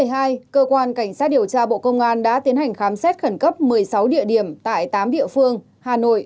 ngày một mươi một mươi hai cơ quan cảnh sát điều tra bộ công an đã tiến hành khám xét khẩn cấp một mươi sáu địa điểm tại tám địa phương hà nội